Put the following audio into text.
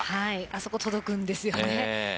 あそこ届くんですよね。